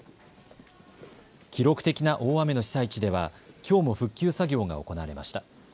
記録的な大雨の被災地ではきょうも復旧作業が行われました。